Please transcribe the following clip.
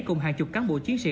cùng hàng chục cán bộ chiến sĩ